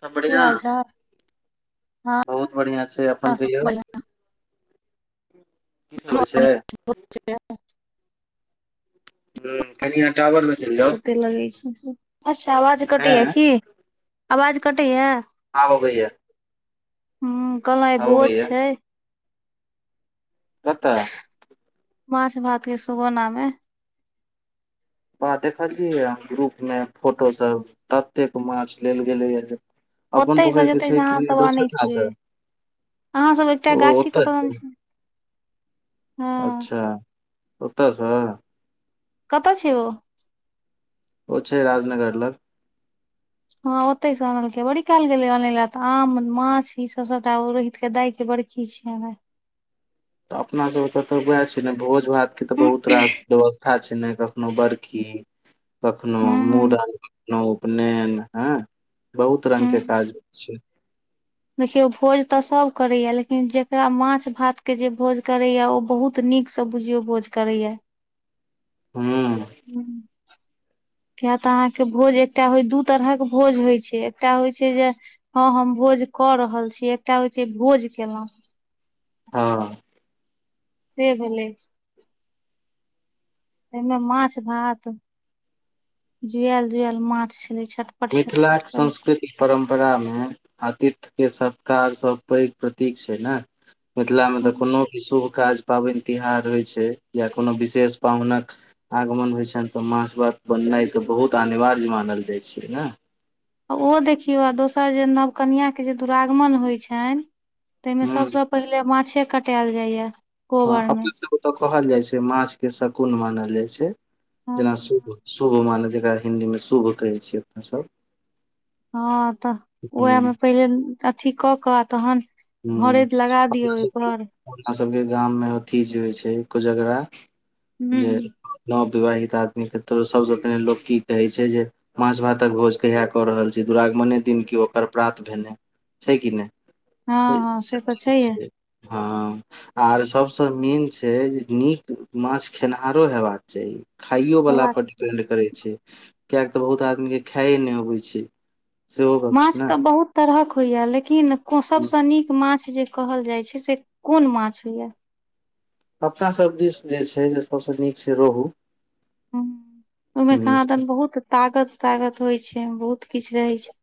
सब की बढ़ियां हाल छ। बहुत बढ़िआँ छै अपन सब कहियौ। बढ़िया कि सब होइ छै। ब छै। ह कनि आहां टावर। चलि जाउ तते लगै छै अच्छा आवाज हँ कटैया की आवाज कटैया। हँ आबि यै। ह कहलउ आय भोज अबैया छै। कतऽ। माछ भात के सुगौनाा मे। बाह देखलियय ग्रुप में फोटो सब ततेक माछ लेल गेले य। ओतहिसँ जतहिसँ अहाँसभ आनै ठाम से छियै। अहाँ सब एकटा ओ गाछी ओतऽ कतऽ दन से छै। हँ अच्छा ओतऽसँ। कत छै ओ। ओ छै राजनगर लग। हँ ओते से अनलके बड़ी कल गेले अनै ला तऽ आम माछ ई सब सबटा रोहित के दाय के बड़। खी छिय आय। तऽ अपना सब एतऽ तऽ उएह छै ने भोज भात के तऽ बहुत रास व्यवस्था। का छै ने कखनो बड़खी कखनो हूँ मूड़न। उपनयन हँ बहुत रंग के काज छै। देखियो भोज तऽ सब करै या लेकिन जेकरा माछ भात के जे भोज करय या ओ बहुत। त नीकसँ बुझियौ भोज करैया। हँ। ह। किएक तऽ अहाँके भोज एकटा होइ दू तरहक भोज होइत छै एकटा होइ छै जे। हँ हम भोज कऽ रहल छी एकटा होइ छै भोज केलहुँ। हँ। से भेले। एहिमे माछ भात जुआल जुआल माछ छले छठ। मिथिलाक संस्कृति। परम्परा में अतीथ के सत्कार सब पैघ प्रतीक छै ने। मिथिला मे तऽ कोनो भी शुभ काज। पाबनि तिहार होइ छै या कोनो विशेष पाहुनक। आगमन होइ छनि तऽ मास भात बननाइ तऽ बहुत अनिवार्य मानल जाइ छै ने। आ ओहो देखियौ आ दोसर जे नव कनिआाके जे दुरागमन होइत छनि ताहिमे ह सभसँ। पहिले माछे कटायल जाइए।। हँ अपना सब ओतऽ कहल जाइ छै माछके शगुन मानल जाइ छै।।। जेना मे शुभ शुभ माने जेकरा हिन्दी मे शुभ कहै छियै अपने सभ। हँ तऽ ह ह वेहमे पहिले अथी कऽ कऽ तहन। हरैद लगा दियौ ओहि पर। हमरा सबके गाम मे अथी जे होइ छै कोजगरा जे। हूँ नवविवाहित आदमी के त सबसँ पहिने लोक की कहै छै जे। माछ भातक भोज कहिया कऽ रहल छी दुरागमने दिन की ओकर प्रात भेने छै कि नहि। हँ तऽ ई हँ सब से तऽ चीज छैेहे। छै हँ। आर सबस मेन छै जे नीक माछ खेनिहारो हेबाक चाही। खाइयोवला हेबाक परर डिपेंड करै छै किएकि तऽ बहुत आदमी के खाइए नहि अबै छै। सेहो गप छै माछ ने तऽ बहुत तरहक होइए लेकिन हुं, सभसँ नीक माछ जे। कहल जाइ छै से कोन माछ होइये। अपना सभ दिस जे छै से सभसँ नीक छै रोहू। हुं, ओहिमे कहाँ दन बहुत तागत- तागत होइ छै, बहुत किछ रहे छै।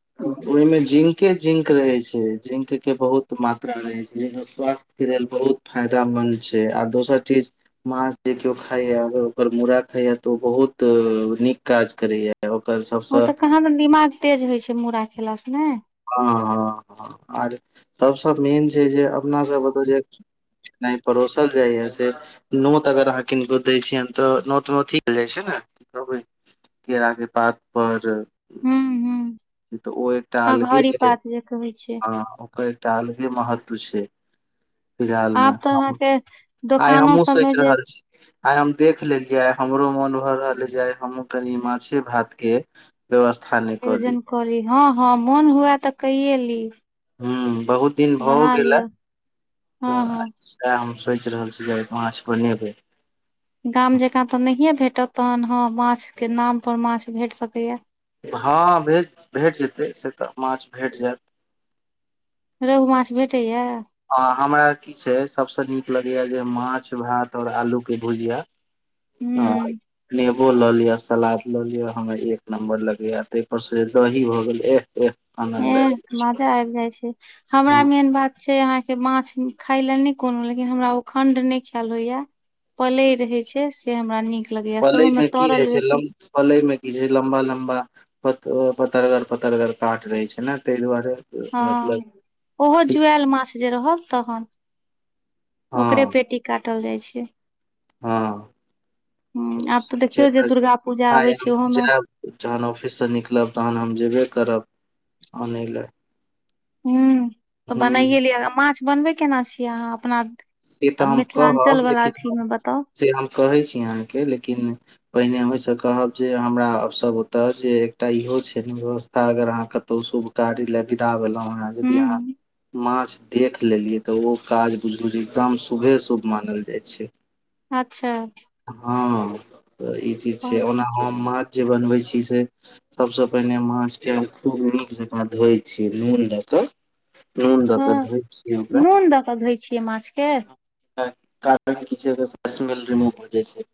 ओहिमे जिंके -जिंक रहै छै, जिंकके बहुत मात्रा रहै छै, जाहिसँ स्वास्थ्यके लेल बहुत फायदामन्द छै, आ दोसर चीज। माछ जे केओ खाइये, ओकर मूड़ा खाइये, त ओ बहुत नीक काज करैये। त ओकर सब ओ तऽ कहाँ दन दिमाग तेज होइ छै, मूड़ा खेलासँ नै? हँ, हँ, हँ आर तहुसँ मेन छै जे, अपना सब ओतऽ जे खेनाइ परोसल जाइए से नोत अगर अहाँ किनको दै छियैन, तऽ नोत मे अथी देल जाइ छै ने, कहबै। केराक पात पर। हँ तऽ ओ एकटा अलगे घड़ी भेलै, पात जे कहै छै हँ ओकर एकटा अलगे महत्व छै। फिलहाल मे, आब तऽ अहाँके आइ दोकानो हमहुँ सबमे सोचि जे रहल छी। आइ हम देख लेलियै, आइ हमरो मोन भऽ रहल ऐ जे आइ हमहु कनि माछे- भात के व्यवस्था नै कऽली। कऽली। हँ, हँ, मोन हुए तऽ कइये ली। ह बहुत दिन भऽ ओ बना गेल हे, लिअ तऽ हँ आइ हँ सो तैं हम सोचि रहल छी जे, माछ बनेबै। गाम जँकाँ तऽ नहिए भेटत? तखन हँ माछके नाम पर माछ भेट सकैए। हँ भे भेट जेतै, से तऽ माछ भेट जायत। रोहु माछ भेटैए। अ हमरा की छै, सबसे नीक लगेये जे माछ- भात और आलू के भुजिया। हूँ हँ हूँ नेबो लऽ लिअ, सलाद लऽ लिअ, हमरा एक नम्बर लगैये, तै पर से दही भऽ गेलै एहह एह। आनन्द एह मजा आबि जाइ छै, हमरा ह मेन बात। छै, अहाँ के माछ खाय लेल नहि कोनो, लेकिन हमरा ओ खण्ड नहि खायल होइये। पलइ रहैत छै, से हमरा नीक लगैए, पलै सेहो मे की रहै तरल छै लम बेसी। पलै मे की छै लम्बा- लम्बा। प पतरगर - पतरगर काॅंट रहे छै ने, ताहि दुआरे। मतलब हँ, ओहो ठीक जुआयल माछ जे रहल, तखन। ओकरे हँ पेटी काटल जाइ छै। हँ ह, आब तऽ देखियौ जे दुर्गा पूजा आइ आबै छै हम ओहोमे जायब जहन ऑफिस सँ निकलब, तहन हम जेबे करब आनय लए। हु तऽ हूँ बनाइए लियअ, माछ बनबै केना छियै अहाँ? अपना से तऽ आ हम कहब मिथिलांचल वला लेकिन अथी हम- मे बताउ? से हम कहै छी अहाँके। लेकिन पहिने हमहिसँ कहब जे, हमरा सभ ओतः जे एकटा इहो छैत दोस्त। अगर अहाँ कतौ शुभ कार्य ले विदा भेलऊॅं। आउर यदि हूँ अहाँ हूँ माछ देख लेलियै, तऽ ओ काज बुझू जे काम शुभे -शुभ मानल जाइ छै। अच्छा! हँ, तऽ ई चीज छै, ओना हम माछ जे बनबै छी से सभसँ पहिने माछ के हम खूब नीक जकाँ धोई छि नून दऽ कऽ। नून दऽ कऽ हँ, धोइ छियै ओकरा नून दऽ कऽ धोइ छियै माछ के? कारण की छै, ओतस स्मेल रिमूव भ जाइ छै।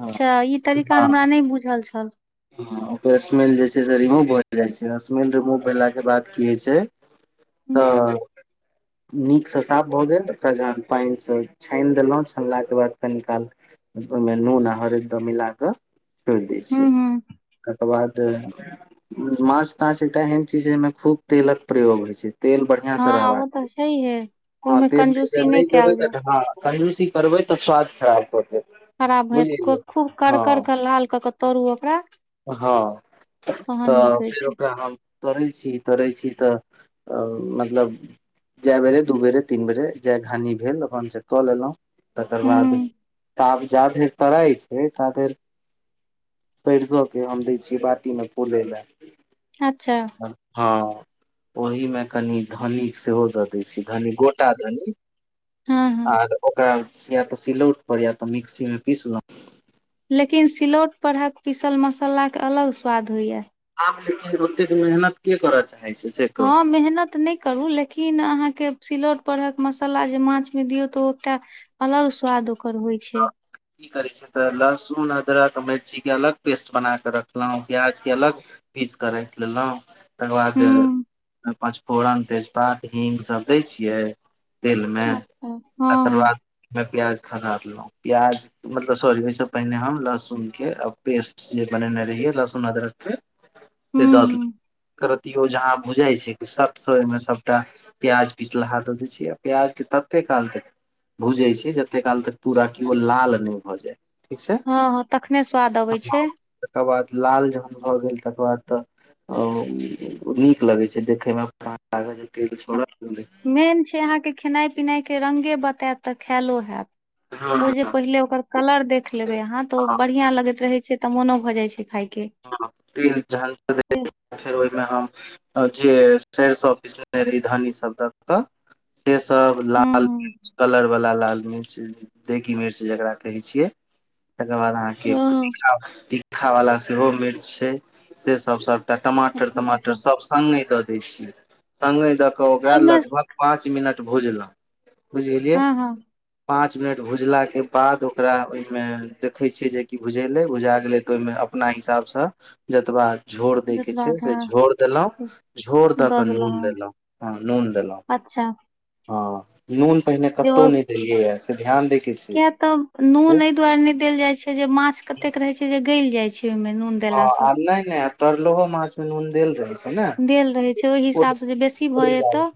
हँ ई तरीका हमरा नै बुझल छल। हं ओकर स्मेल जे छैय रिमूव भए जाइ छैय, स्मेल रिमूव भेला के बाद की होइ छैय। हूँ तऽ नीकसँ साफ भऽ गेल ओकरा जहन पानिसँ छानि देलहुँ छानलाके बाद कनी काल ओइमे नून आ हरैद मिला कऽ छोइड़ दै हूँ छियै हूँ कतवा देह माछ ताछ एकटा एहन चीज छैय, जइमे खूब तेलक प्रयोग होइ छैय, तेल बढ़ हँ ओ तऽ छैइहे। हँ तेल दिजवै नै देबै तऽ ह कंजुसी करबै तऽ स्वाद खराब भऽ जाएत। खराब भैत खूब कर कर कऽ लाल कऽ कऽ तरू ओकरा। हँ तहन तऽ नीक होइ फेर छै ओकरा हम तोड़ै छी तोड़ै छी तऽ मतलब जय बेरे दू बेरे, तीन बेरे जय घानी भेल अपन से कऽ लेलहुं। तकर बाद हूँ ताप जाधेर तराई हे तातिर बैसलौं कि हम दै छियै बाटी मे फुले लए। अच्छा। हँ ओहि मे कनि धनी सेहो दऽ दै छी कनि गोटा धनी। हँ हँ आर ओकरा या तऽ सिलौट पर या तऽ मिक्सी मे पीसलों। लेकिन सिलौट परहक पीसल मसालाके अलग स्वाद होइए। आब लेकिन ओतेक मेहनत के करऽ चाहे छैय। हँ मेहनत नै करू लेकिन किन अहाँके सिलौट परहक मसाला जे माछ मे दियौ तऽ ओ एकटा अलग स्वाद ओकर होइत। की करै छैय। तऽ लहसुन, अदरक, मिर्चीके अलग पेस्ट बना कऽ रखलहुँ प्याजके अलग पीस कऽ रखिलेलहुॅं। तकर बाद हुं। पचफोरन, तेजपात, हींग सभ दै छियै। तेलमे अच्छा। हँ तकर हँ बाद ओमे प्याज खसा देलहुँ, प्याज मतलब सॉरी ओहिसँ पहिने हम लहसुनके आ पेस्ट से बनेने रहियै लहसुन अदरकके हुं से दल हुं एकरतियो जहाँ बुझाइ छैय कि सट से ओहिमे सभटा प्याज पिसलाहा द दैऽ छियै आ प्याज के तते काल तक भूजै छियय जते काल तक पूरा केओ लाल ने भऽ जाय, ठीक छैय। हँ हँ तखने स्वाद अबै छै। तकर बाद लाल जखन भऽ गेल तकर बाद तऽ नीक लगै छैय देखयमे। मा कागज तेल छोड़ऽ लगलय। मेन छैय अहाँके खेनाइ पिनाइ के रंगे बतायत तऽ खायलो हेएत हँ ओ जे हँ पहिले ओकर कलर देख लेबै अहाँ तऽ ओ बढ़िया लगैत रहे छैय तऽ मोनो भऽ जाइ छैय खाय के हँ तिल जहां पर रहै। फेर ओहिमे हम जे एस्ट्ऐंस ऑफिस लेने रही धानी सबदक तऽ से सब लाल हुं कलर वाला लाल मिर्च देगी मिर्च जेकरा कहै छियै, तकर बाद अहाँके हँ। तीखा तीखा वाला सेहो मिर्च छैय से सभ सभटा टमाटर तमाटर सभ सङ्गे दऽ दै छियै। संगे दऽ कऽ ओकरा ओहिमे लगभग पाँच मिनट भुजलहुँ, बुझ गेलियै। हँ हँ। पांच मिनट भुजला के बाद ओकरा ओहिमे देखे छिय जेकि भुजेले भुजा गेले त ओएमे अपना हिसाबसँ जतबा झोर दय के जतबा छैय था से झोर देलों। झोर द दऽ कऽ नून हँ देलहुँ हँ नून देलहुँ। अच्छा। हँ नून पहिने जे ओ कतौ नहि देलियै ह से ध्यान द। किया तऽ नून एहि दुआरे नहि देल जाय छै जे माछ कतेक रहे छै जे गलि जाय छै ओहिमे नून। ह आ देलासँ नहि नहि त लोकोहो माछ मनन देल रहै छै। ने देल रहैत छै ओहि ओ हिसाबसँ जे बेसी भऽ जेतऽ।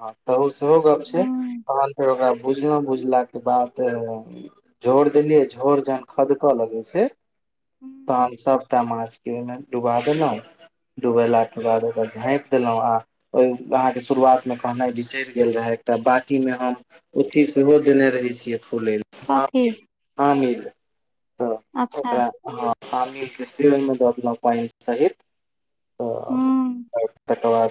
हँ त ओ सेहो गप छै हूँ तहन फेर ओकरा भुजलहुँ भुजलााक के बाद। झोर देलियै झोर जहन खदकऽ लगै छै हूँ तहन सब। छटा माछ के ओहिमे डुबा देलहुँं डुबेला के बाद ओकरा झाँपि देलहुॅं आ। ओहि अहाँके शुरुआतमे कहनाइ बिसरि गेल रहै एकटा बाटीमे हम। अथी सेहो देने रहै छियै फुलय लेल कथी आमिल आमिल। अच्छा। हँी इ श्रीरमे द अपला पइ साहित। हूँ तऽ तकर बाद।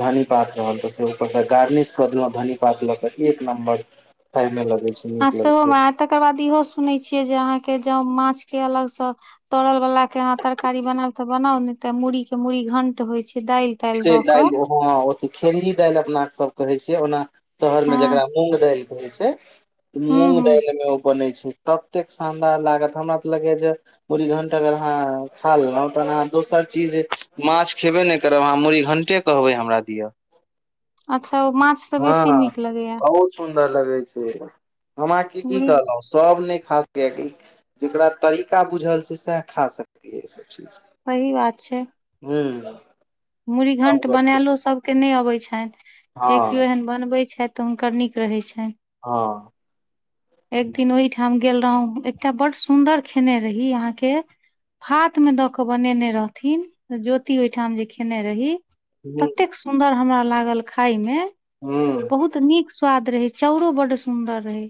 धनी पात रहल त से ऊपर से गार्निश कर देलो धनी पात ले के एक नं्बर ाय मे लग। आ सेहोमे तकर बाद इहो सुनैत छियै जे अहाँके ज माछ के अलगसँ। तोरल बालला के अहाँ तरकारी बनायब तऽ बनाउ ने तऽ मूुरी के मूड़ी घंट होइ छै दालि। तालि दऽ कऽ दालि ह खेरही दालि अपना सब कहे छ ओना शहर मे हँ जेकरा। मूंग दालि कहै छै हूँ मूंग हूँ दालि में ओ बनै छै। ततेक शानदार लागत हमरा तऽ लगया जे। मूड़ घंट अगर अहाँ खा लेलहु तहन अहाँ दोसर चीज माछ खेबे ने। करब अहाँ मुूड़ी घंटे कहबे हमरा दिअ। अच्छा ओ माछ त बेसी हँ नीक लगैएा। बहुत सुन्दर लगे छै हमरा के की मुरही कहल। सब नहि खा सकैय जेकरा तरीका बुझल छै सएह खा सकै ई सब चीज। वही बात छै। हू। मुूड़ीघंट बनलो सब के नहि अबे छनि जे केो हँ एहन बनबे छथि। तऽ हुनकर नीक रहै छनि। हँ। [inaudible] एक दिन ओहिठाम गेल रहौ एकटा बड़ सुंन्दर खेने रही अहाँके। हाथ में द के बनेने रहथिन ज्योति ओहिठाम जे। खेने रही हूँ ततेक सुदर हमरा लागल खाय मे। हूँ बहुत नीक स्वाद रहै चाउरो बड सुन्दर रहै।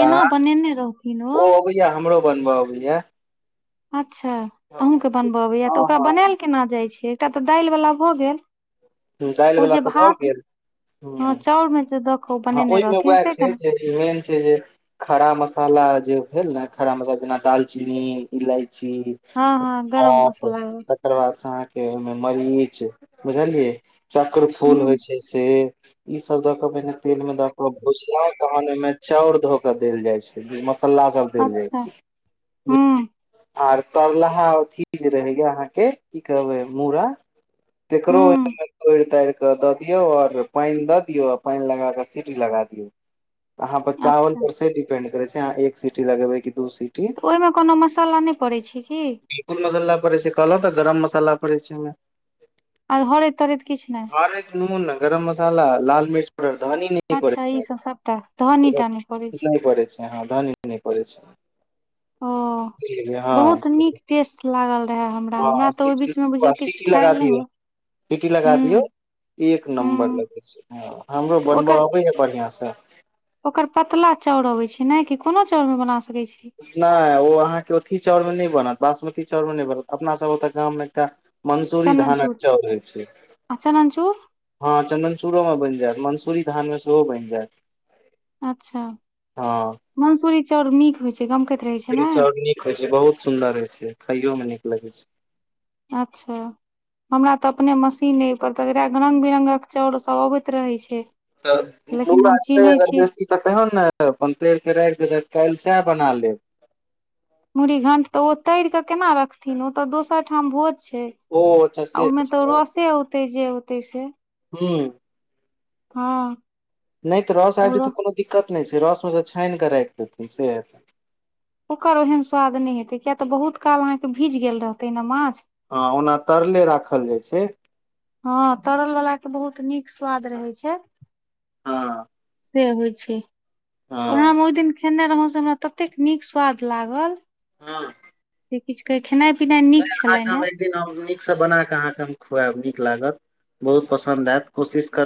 केना बनेने रहथिन ओ हमरो बनबऽ अबैयै। अच्छा अहुूँकेँ बनबऽ अबैय तऽ ओकरा हँ बनायल केना जाइत छै एकटा तऽ दालिवला भऽ गेल। जाइल ओ बला जे तऽ भऽ भात गेल। हँ ह चाउर मे जे देखहो हँ बनेने ओहिमे रहथिन से केना। मेन छै जे। खरा मसाला जे भेल ने खरा मसाला जेना दालचीनी इलायची। हँ हँ गरम सौफ मसला तकर बाद से अहाँके ओहिमे मरीच बुझलियै। चक्र फूल होइ हुँ छै से। इ सब द के पहिने तेल में द के भुजिया तहन ओ में चाउर धो के देल जाय छै मसाला सब। देले अच्छा छैय बुझलिये। हुँ आर तरलाहा अथी जे रहे या अहाँ के की कहबे मूड़ा तेकरो हुँ तोड़ -तार के द दियऔ और पाइन द दियो अ पाइन लगाकऽ सीटी लगा दियो। अहाँ पचावन अच्छा पर से डिपेंड करे छै अहाँ एक सिटी लगेबै कि दू सिटी। तऽ ओयमऽ कोनो मसाला ने पड़ै छैय की। बिलकल मसाला पड़ै छै कहलहुँ तऽ गरम मसाला पड़ै छैय ओयमे। आ भरेत- तरैत किछ ने। तारे के नून ने गरम मसाला, लाल मिर्च पाउडर, धनी नहि अच्छा ई पड़ै छै सब सबटा धहनीटा ने पड़ै छै। हाँ धनी ने पड़ै छैय। ओ बुझ गलिये हाँ बहुत से नीक टेस्ट लागल रहे हमरा हमरा हाँ तऽ ओहि बीच मे बुझियौ किछु सीटी-सीटी खायल लगा नहि दीयो। हुए सीटी लगा दियो। हुँ एक नम्बर हुँ लगे छै खाय में हमरो तऽ बनबै ओकर आबे या बढ़िया से। ओकर पतला चौङ अबे छै ने कि कोनो चौङ मे बना सकै छीये। ने ओ अहाँके ओथी चौङ मे ने बनत बासमती चौङ मे ने बनत अपना सब ओता गाममे एकटा मंसूरी चननचूर धानक चौङ होए छैय। आ चननचूर हाँ चंदनचूड़ो मे बेन जायत मंसूरी धानमे सेहो बेन जायत। अच्छा हँ मंसूरी चौङ नीक होय छै गमकैत रहे छै। मंसूरी ने चौङ नीक होय छै बहुत सुन्दर होय छै खाइयो में नीक लगे छै। अच्छा। हमरा तऽ अपने मशीने पर तेकरा रंग बिरंगक चौङ सब अबैत रहे छै। तब लेकिन मुरा हम छैय चिन्है अगर छियै बेसी तऽ तेहन ने अपन तेरके राख देते काल सएह बना लेब। मुरीघण्ट तऽ ओ तर कऽ केना रखथिन ओ तऽ दोसर ठाम भोज छैय। ओ अच्छा आ से मे तऽ छै रसे होतै जे होतै से। हूँ हाँ। ने तऽ रस आएब जेते तऽ कोनो दिक्कत ने छैय रसमे सँ छान कऽ राख देथिन से हेतै। ओकर ओहन स्वाद ने हेतै किआ तऽ बहुत काल अहाँकेँ भीज गेल रहतै ने माछ। हां ओना तरले राखल जाइ छै‌य। हांँ तरल वला के बहुत नीक स्वाद रहे छै। हँ से होइ छै ओना हँ हम ओए दिन खेने रहौँ से हमरा ततेक नीक स्वाद लागल। हाँ। जे किछु कहै खेनाइ पिनाइ नीक छलै अहाँके ने। हम एक दिन हम नीक से बनााक अहाँके हम खुआएब नीक लागत बहुत पसंन्द आयत कोशिश करबे।